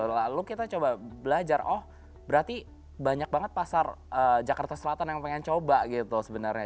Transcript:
lalu kita coba belajar oh berarti banyak banget pasar jakarta selatan yang pengen coba gitu sebenarnya